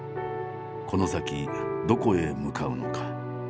この先どこへ向かうのか。